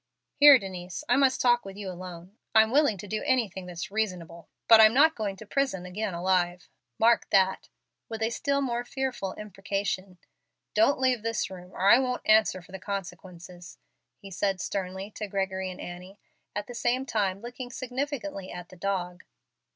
"Here, Dencie, I must talk with you alone. I'm willing to do anything that's reasonable, but I'm not going to prison again alive, mark" that (with a still more fearful imprecation). "Don't leave this room or I won't answer for the consequences," he said, sternly to Gregory and Annie, at the same time looking significantly at the dog.